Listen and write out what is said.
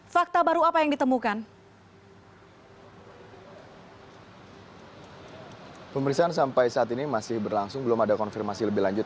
fano selamat malam